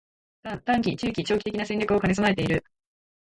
③ 短期、中期、長期的な戦略を兼ね備えている